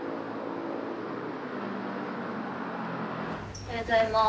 おはようございます。